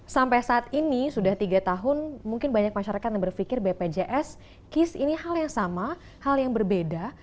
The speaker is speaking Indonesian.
sampai saat ini sudah tiga tahun mungkin banyak masyarakat yang berpikir bpjs kis ini hal yang sama hal yang berbeda